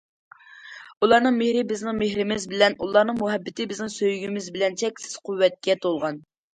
ئۇلارنىڭ مېھرى بىزنىڭ مېھرىمىز بىلەن، ئۇلارنىڭ مۇھەببىتى بىزنىڭ سۆيگۈمىز بىلەن چەكسىز قۇۋۋەتكە تولغان.